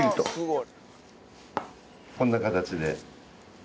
こんな形で。